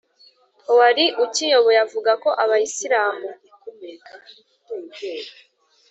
wari ukiyoboye avuga ko abayisilamu